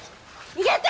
逃げて！！